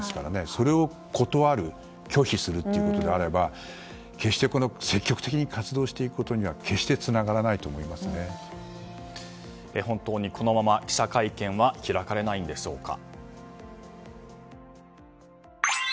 それを断る拒否するということであれば決して積極的に活動していくことには本当にこのまま記者会見は開かれないのでしょうか。